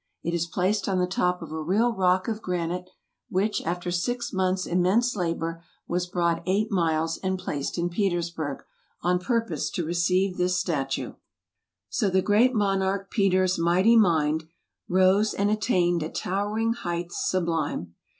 It is placed on the top of a real rock of granite, which, after six months im¬ mense labour, was brought eight miles, and placed in Petersburgh, on purpose to receive this statue. So the great monarch Peter's mighty mind Rose, and attained a towering height sublime'.